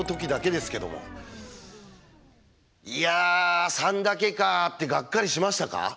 「いや３だけか」ってがっかりしましたか？